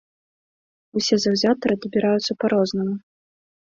Усе заўзятары дабіраюцца па рознаму.